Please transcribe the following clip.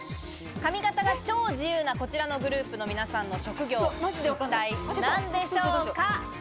髪形が超自由なこちらのグループの皆さんの職業、一体何でしょうか？